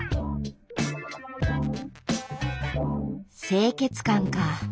清潔感か。